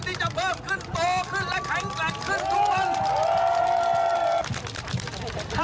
ที่จะเพิ่มขึ้นโตขึ้นและแข็งแกร่งขึ้นทุกวัน